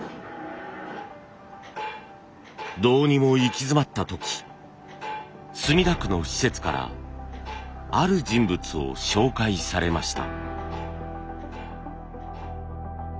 どうにも行き詰まった時墨田区の施設からある人物を紹介されました。